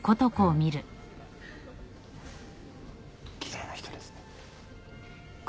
きれいな人ですね。